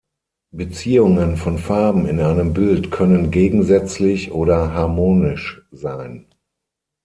Beziehungen von Farben in einem Bild können "gegensätzlich" oder "harmonisch" sein.